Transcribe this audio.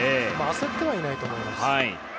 焦ってはいないと思います。